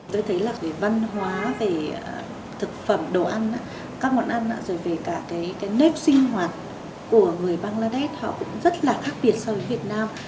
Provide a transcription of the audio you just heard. tôi thấy là về văn hóa về thực phẩm đồ ăn các món ăn rồi về cả cái nếp sinh hoạt của người bangladesh họ cũng rất là khác biệt so với việt nam